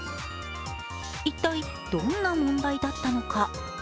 一体、どんな問題だったのか。